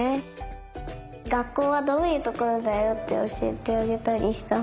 がっこうはどういうところだよっておしえてあげたりしたほうがいい。